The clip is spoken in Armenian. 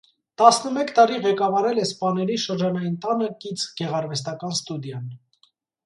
Տասնմեկ տարի ղեկավարել է սպաների շրջանային տանը կից գեղարվեստական ստուդիան։